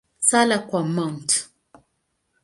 Sala kwa Mt.